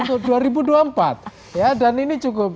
untuk dua ribu dua puluh empat ya dan ini cukup